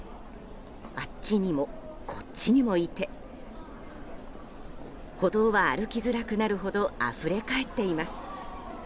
あっちにも、こっちにもいて歩道は歩きづらくなるほどあふれ返っています。